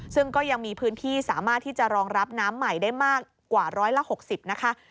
ซึ่งก็ยังมีพื้นที่สามารถที่จะรองรับน้ำใหม่ได้มากกว่าร้อยละ๖๐นะคะ